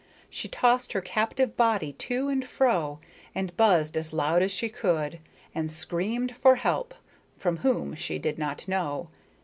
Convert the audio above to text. She tossed her captive body to and fro, and buzzed as loud as she could, and screamed for help from whom she did not know.